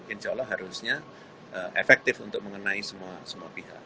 insya allah harusnya efektif untuk mengenai semua pihak